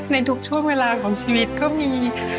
ในทุกช่วงเวลาของชีวิตก็มี